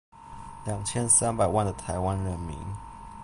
兩千三百萬的臺灣人民